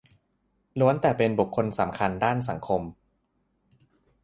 ล้วนแต่เป็นบุคลสำคัญด้านสังคม